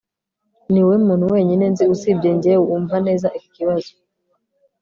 niwowe muntu wenyine nzi usibye njye wumva neza iki kibazo